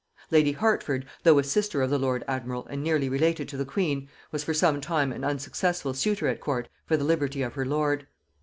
Lady Hertford, though a sister of the lord admiral and nearly related to the queen, was for some time an unsuccessful suitor at court for the liberty of her lord.